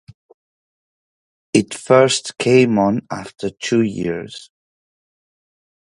It first came on after two years.